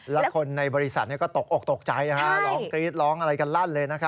แล้วคนในบริษัทก็ตกออกตกใจนะคะ